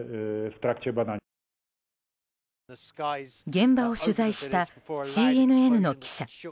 現場を取材したＣＮＮの記者。